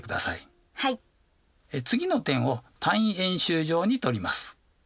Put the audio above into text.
次の点を単位円周上に取ります。